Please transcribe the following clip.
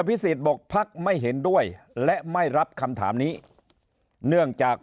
พิสิทธิ์บอกพักไม่เห็นด้วยและไม่รับคำถามนี้เนื่องจาก